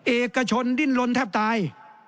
เอกชนดิ้นลนแทบตาย